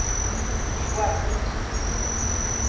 Iguatama